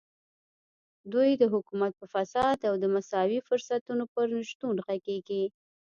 دوی د حکومت په فساد او د مساوي فرصتونو پر نشتون غږېږي.